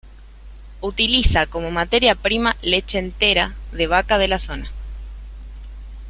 Utiliza como materia prima leche entera de vaca de la zona.